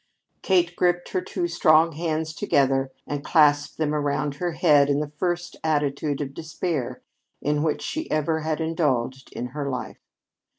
Kate gripped her two strong hands together and clasped them about her head in the first attitude of despair in which she ever had indulged in her life.